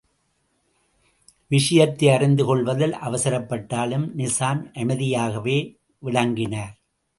விஷயத்தை அறிந்து கொள்வதில் அவசரப்பட்டாலும் நிசாம் அமைதியாகவே விளங்கினார்.